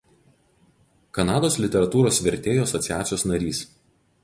Kanados literatūros vertėjų asociacijos narys.